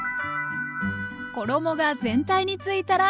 衣が全体についたらＯＫ！